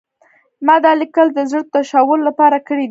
ما دا لیکل د زړه تشولو لپاره کړي دي